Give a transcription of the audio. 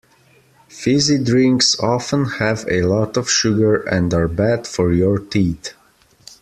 Fizzy drinks often have a lot of sugar and are bad for your teeth